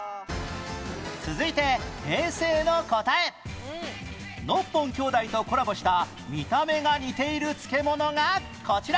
続いてノッポン兄弟とコラボした見た目が似ている漬物がこちら